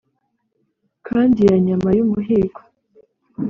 kandi ya nyama y' umuhigo